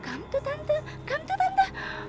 kamu tuh tante kamu tuh tante